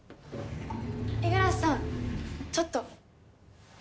五十嵐さんちょっと。